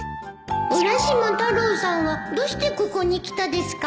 浦島太郎さんはどうしてここに来たですか？